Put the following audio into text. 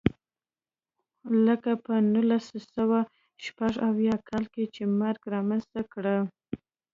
لکه په نولس سوه شپږ اویا کال کې چې مرګ رامنځته کړه.